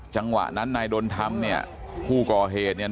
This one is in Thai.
จังหวะนั้นนายดนธรรมเนี่ยผู้ก่อเหตุเนี่ย